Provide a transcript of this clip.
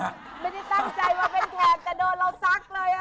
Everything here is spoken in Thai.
ไม่ได้ตั้งใจว่าเป็นแขกแต่โดนเราซักเลย